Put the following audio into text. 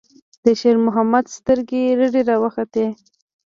د شېرمحمد سترګې رډې راوختې.